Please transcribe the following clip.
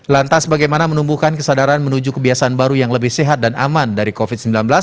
lantas bagaimana menumbuhkan kesadaran menuju kebiasaan baru yang lebih sehat dan aman dari covid sembilan belas